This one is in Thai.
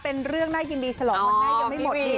เป็นเรื่องน่ายินดีฉลองวันแม่ยังไม่หมดอีก